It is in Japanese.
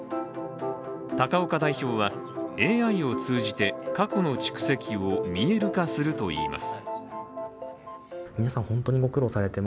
高岡代表は、ＡＩを通じて過去の蓄積を見える化するといいます。